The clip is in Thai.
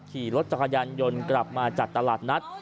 ขี่รถจักรยานยนต์กลับมาจากตลาดนัด